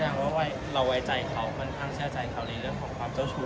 แสดงว่าเราไว้ใจเขาค่อนข้างเชื่อใจเขาในเรื่องของความเจ้าชู้